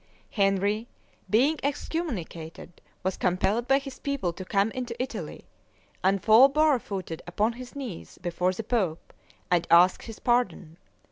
Henry, being excommunicated, was compelled by his people to come into Italy, and fall barefooted upon his knees before the pope, and ask his pardon.